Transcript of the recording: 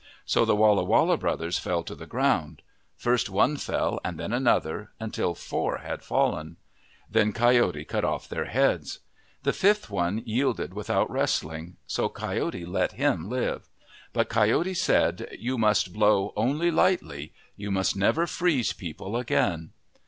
So the Walla Walla brothers fell to the ground. First one fell and then another, until four had fallen. Then Coyote cut off their heads. The fifth one yielded without wrestling. So Coyote let him live. But Coyote said :" You must blow only lightly. You must never freeze people again."